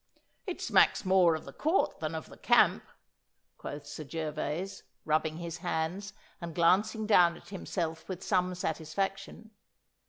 'It smacks more of the court than of the camp,' quoth Sir Gervas, rubbing his hands and glancing down at himself with some satisfaction.